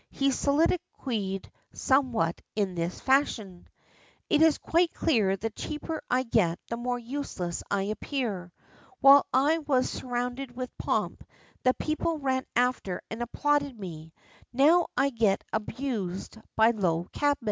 He soliloquised somewhat in this fashion: "It's quite clear the cheaper I get the more useless I appear. While I was surrounded with pomp, the people ran after and applauded me; now I get abused by a low cabman.